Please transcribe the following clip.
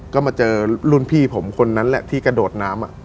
ก็มาเจอรุ่นพี่ผมคนนั้นแหละที่กระโดดน้ำ